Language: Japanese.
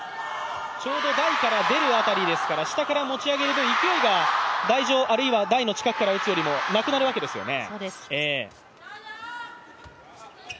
ちょうど台から出る辺りですから、下から持ち上げる勢いが台上、あるいは台の近くから打つよりもなくなるわけですよね。